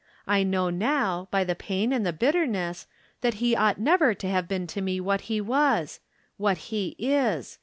I know now, by the pain and the bitterness, that he ought never to have been to me what he was — what he is.